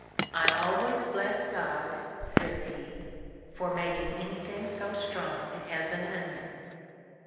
I always bless God," says he, for making any thing so strong as an onion